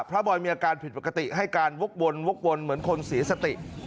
บอยมีอาการผิดปกติให้การวกวนวกวนเหมือนคนเสียสติ